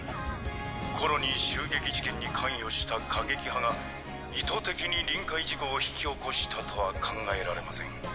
コロニー襲撃事件に関与した過激派が意図的に臨界事故を引き起こしたとは考えられません。